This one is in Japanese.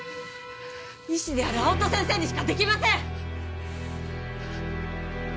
医師である青戸先生にしかできません！